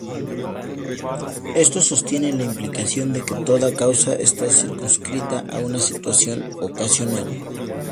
Esto sostiene la implicación de que toda causa está circunscrita a una situación, ocasional.